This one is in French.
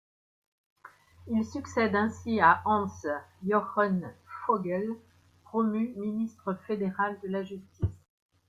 Il succède ainsi à Hans-Jochen Vogel, promu ministre fédéral de la Justice.